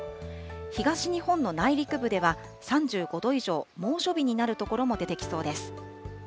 東日本の内陸部では３５度以上、猛暑日になる所も出てきそうです。